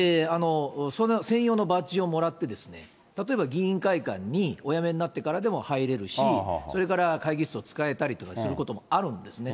専用のバッジをもらって、例えば議員会館にお辞めになってからでも入れるし、それから、会議室を使えたりすることもあるんですね。